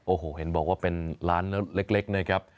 โอ้โหเห็นบอกว่าเป็นร้านเล็กนะครับ